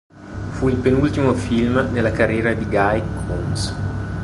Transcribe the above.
Fu il penultimo film nella carriera di Guy Coombs.